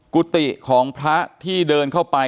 กุฏิของพระที่เดินเข้าไป